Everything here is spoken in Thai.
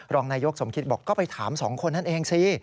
รองนายกสมคิตบอกก็ไปถาม๒คนนั่นเองสิ